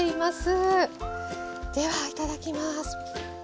ではいただきます。